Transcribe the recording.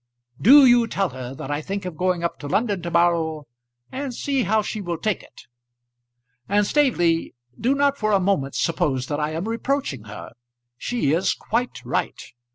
Do you tell her that I think of getting up to London to morrow, and see how she will take it. And, Staveley, do not for a moment suppose that I am reproaching her. She is quite right.